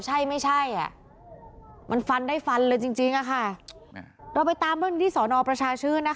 ใช่ไม่ใช่อ่ะมันฟันได้ฟันเลยจริงจริงอะค่ะเราไปตามเรื่องนี้ที่สอนอประชาชื่นนะคะ